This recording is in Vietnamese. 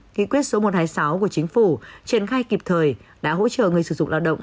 nghị quyết số một trăm hai mươi sáu của chính phủ triển khai kịp thời đã hỗ trợ người sử dụng lao động